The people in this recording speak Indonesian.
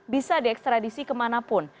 bisa diekstradisi kemanapun